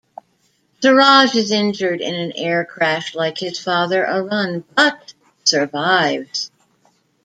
Suraj is injured in an air crash like his real father Arun, but survives.